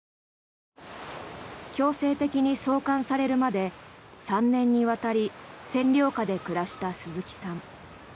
強制的に送還されるまで３年にわたり占領下で暮らした鈴木さん。